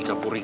oh yang ini